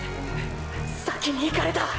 先に行かれた！！